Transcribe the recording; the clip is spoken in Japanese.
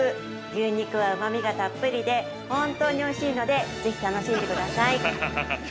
牛肉はうまみがたっぷりで本当においしいのでぜひ、楽しんでください。